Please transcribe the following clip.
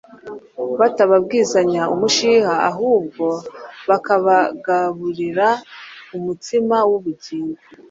batababwizanya umushiha, ahubwo bakabagaburira umutsima w’ubugingo.